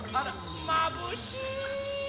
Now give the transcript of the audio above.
まぶしい！